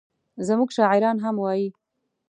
زموږ شاعران هم وایي.